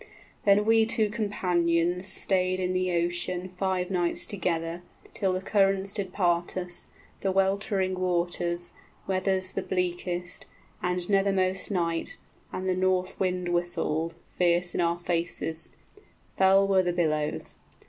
Then we two companions stayed in the ocean {After five days the currents separated us.} Five nights together, till the currents did part us, The weltering waters, weathers the bleakest, And nethermost night, and the north wind whistled 50 Fierce in our faces; fell were the billows.